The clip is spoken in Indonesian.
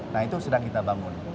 nah itu sedang kita bangun